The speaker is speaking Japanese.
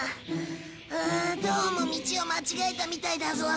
どうも道を間違えたみたいだぞ。